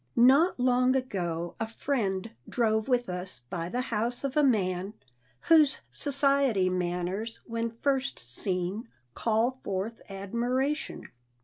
Not long ago a friend drove with us by the house of a man whose society manners, when first seen, call forth admiration.